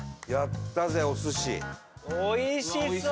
おいしそう！